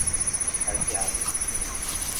Charqueada